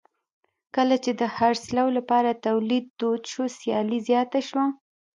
کله چې د خرڅلاو لپاره تولید دود شو سیالي زیاته شوه.